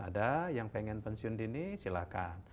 ada yang pengen pensiun dini silahkan